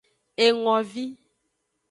Engovi.